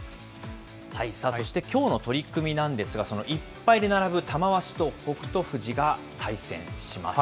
そしてきょうの取組なんですが、その１敗で並ぶ玉鷲と北勝富士が対戦します。